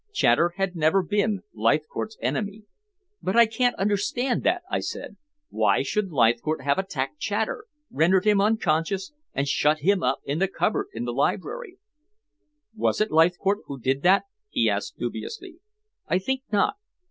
Chater had never been Leithcourt's enemy." "But I can't understand that," I said. "Why should Leithcourt have attacked Chater, rendered him unconscious, and shut him up in the cupboard in the library?" "Was it Leithcourt who did that?" he asked dubiously. "I think not.